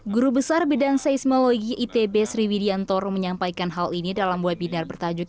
guru besar bidang seismologi itb sriwidiantoro menyampaikan hal ini dalam webinar bertajuk